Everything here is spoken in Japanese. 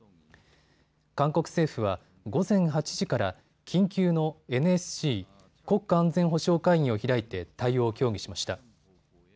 韓国政府は午前８時から緊急のＮＳＣ・国家安全保障会議を開いて対応を協議しました。